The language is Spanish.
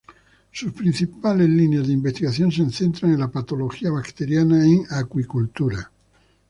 Sus principales líneas de investigación se centran en la patología bacteriana en Acuicultura.